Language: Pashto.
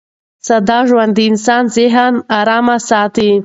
ساده ژوند د انسان ذهن ارام ساتي.